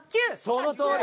そのとおり！